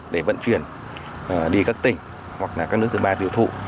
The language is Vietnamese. để vận chuyển đi các tỉnh hoặc là các nước thứ ba tiêu thụ